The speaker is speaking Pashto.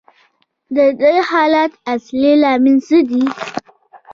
د دې حالت اصلي لامل څه دی